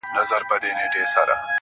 سیاه پوسي ده، ورته ولاړ یم.